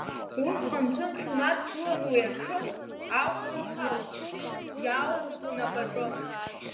Усҟан ҭынч унадгылан уи аҽы, аӷәра ахоуҵоит, иааугоит унапаҿы.